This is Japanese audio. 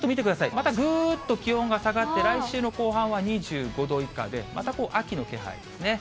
またぐーっと気温が下がって、来週の後半は２５度以下で、また秋の気配ですね。